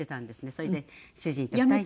それで主人と２人で。